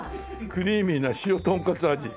クリーミーな塩とんこつ味。